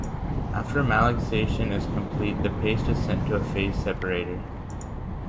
After malaxation is complete, the paste is sent to a phase separator.